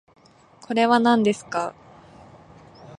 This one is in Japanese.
これはなんですか